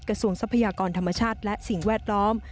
ทรัพยากรธรรมชาติและสิ่งแวดล้อม